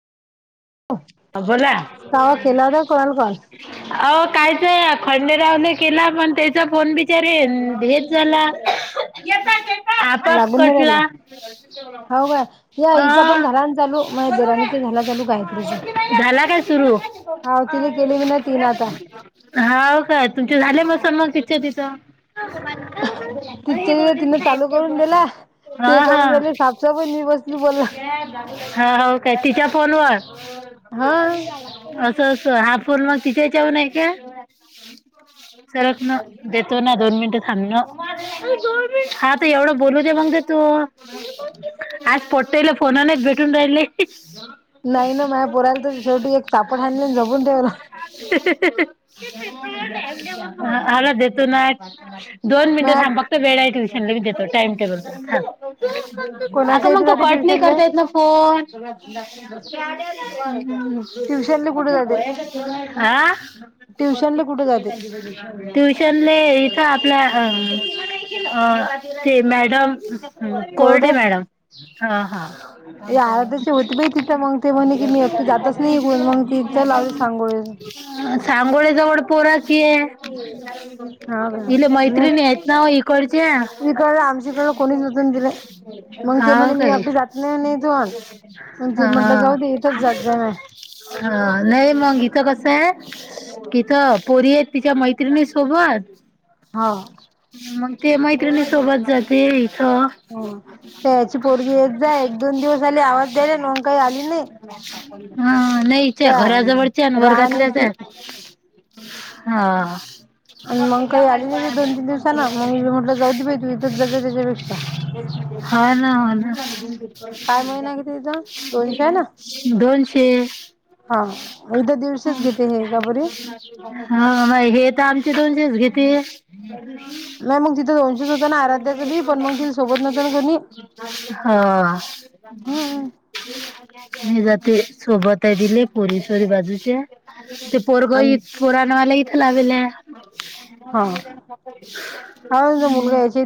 ह बोला कावा केला होता कोणाला कॉल अ कायच आहे खंडेराव न केला पण त्याचा फोन बिचारे हेच झाला. येतोय येतोय आपोआप लागून नाही राहिला कटला अ. मग देराणीच झाला चालू काय? झाला काय सुरू? हाव तिला केली मी ना तीन आता हाव काय तुमचे झाले [unintelligible] तिथं तिच्या तिनं चालू करून दिला [unintelligible] हा ते हा करून राहिले साफसाफ आणि मी बसली बोलला [unintelligible] हा हो काय तिच्या फोनवर हा असं असं हा फोन मग तिथेच्यावरन नाही काय? [inaudible] सरकण देतो ना दोन मिनिटं थांबण हा तर एवढं बोलुदे मग दे तू [inaudible] आज [unintelligible] फोन नाही भेटून राहिले. नाही ना माझ्या पोराला तर शेवटी एक सापट हाणली आणि झपून ठेवला. आला देतो ना. दोन मिनट माझ्या थांब फक्त वेळा ट्युशनलाी देतो टाइम टेबल अग कोणाच्या मग इथे तो जाते कट नाही ट्युशनले करता येत ना फोन. [unintelligible] आ ट्युशनले कुठे जाते ट्युशनले कुठे जाते ट्युशनले इत आपल्या अ ते मॅडम ह कोरडे मॅडम हा हा. आराध्याची होती बाई तिथं मग ते म्हणे की मी एकटी जातच नाही इकडून मग तिथ लावले सांगोळेला. सांगोळे जवळ पोरा अशी हे हा का इल् मैत्रिन नाही हेत ना इकडचे इकडं आमच्याकडं कोणीच नव्हतं दिले मग ते हाव म्हणे मी काय एकटी जात नाही म्हणे इथून मग ते म्हटलं हा. जाऊ दे इथंच जात जाय माय हा नई मग हित कसय हिथं पोरी आहेत तिच्या मैत्रिणी सोबत हाव. मग ते मैत्रिणी सोबत जाते इथं. तयाची पोरगी येत जाय, एक दोन दिवस आली आवाज द्याला ना मग काही आली नाही. हा नाही त्या घराजवळच्या आणि वर्गातल्याच राहण्याची आहेत. हा- हा. आणि मग काही आली नाही ती दोन-तीन दिवसांन. मग म्हटलं जाऊदेत बाई तू इथंच जात जा त्याच्यापेक्षा. हा ना, होना. काय महिना किती तिथं, दोनशे आहे ना. दोनशे. हा इथ दीडशेच घेते, हे का बरे. हा मग हे तर आमचे दोन दिवस घेते. नाही मग तिथं दोनशेच होतं ना आराध्याचं बी पण मग तिला सोबत नव्हतं ना कोणी [unintelligible] हां. हम्म मी जाते सोबत, आहे दिले पोरी सोरी बाजूच्या, ते पोरग आम पुराना वाला इथ लावीले. हा आमचा मुलगा याची